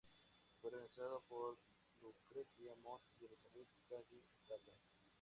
Fue organizada por Lucretia Mott y Elizabeth Cady Stanton.